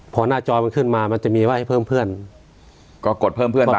พอหน้าจอมันขึ้นมามันจะมีไว้ให้เพิ่มเพื่อนก็กดเพิ่มเพื่อนไป